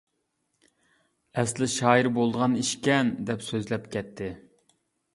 ئەسلى شائىر بولىدىغان ئىشكەن-دەپ سۆزلەپ كەتتى.